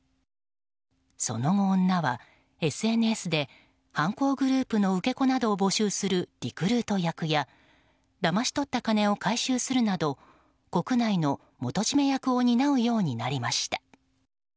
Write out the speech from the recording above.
その後、女はＳＮＳで犯行グループの受け子などを募集するリクルート役やだまし取った金を回収するなど国内の元締め役を担うようになりました。